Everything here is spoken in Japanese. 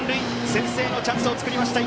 先制のチャンスを作りました